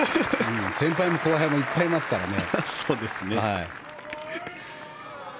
先輩も後輩もいっぱいいますからね。